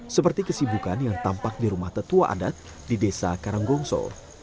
seperti kesibukan yang tampak di rumah tetua adat di desa karanggongso